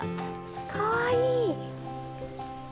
かわいい！